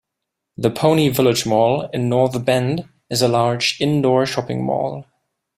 The Pony Village Mall in North Bend is a large indoor shopping mall.